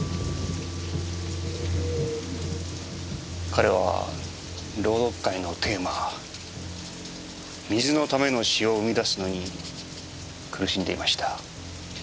彼は朗読会のテーマ「水」のための詩を生み出すのに苦しんでいました。